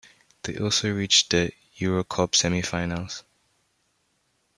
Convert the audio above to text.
They also reached the EuroCup semifinals.